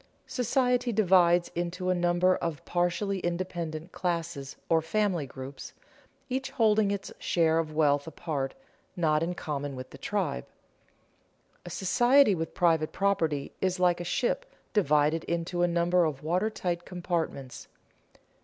Society divides into a number of partially independent classes or family groups, each holding its share of wealth apart, not in common with the tribe. A society with private property is like a ship divided into a number of water tight compartments.